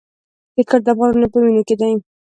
کرکټ د افغانانو په وینو کې دی.